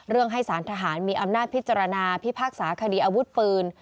ให้สารทหารมีอำนาจพิจารณาพิพากษาคดีอาวุธปืน